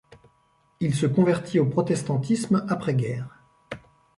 Il se convertit au protestantisme après guerre.